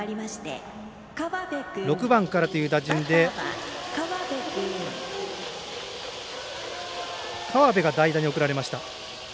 ６番からという打順で川辺が代打に送られました。